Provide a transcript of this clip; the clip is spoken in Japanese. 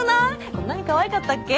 こんなにかわいかったっけ？